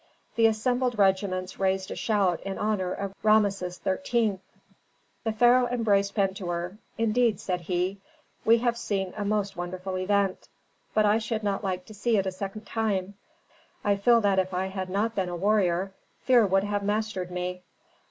The assembled regiments raised a shout in honor of Rameses XIII. The pharaoh embraced Pentuer. "Indeed," said he, "we have seen a most wonderful event. But I should not like to see it a second time. I feel that if I had not been a warrior fear would have mastered me."